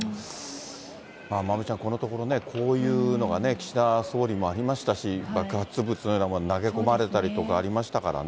まおみちゃん、こういうのがね、岸田総理もありましたし、爆発物のようなもの投げ込まれたりとかありましたからね。